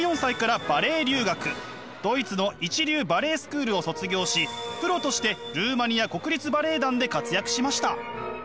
ドイツの一流バレエスクールを卒業しプロとしてルーマニア国立バレエ団で活躍しました。